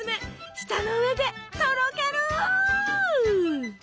舌の上でとろける！